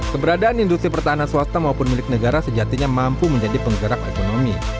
keberadaan industri pertahanan swasta maupun milik negara sejatinya mampu menjadi penggerak ekonomi